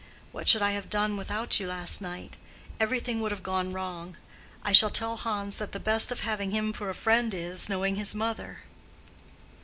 What should I have done without you last night? Everything would have gone wrong. I shall tell Hans that the best of having him for a friend is, knowing his mother."